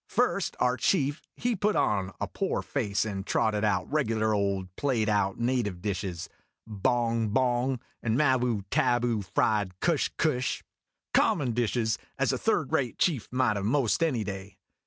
First our chief he put on a poor face, and trotted out regular old played out native dishes bong bong, and maboo tabpo fried cush cush common dishes as a third rate chief might have 'most any day.